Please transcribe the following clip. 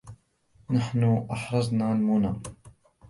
نحن أحرزنا المُنى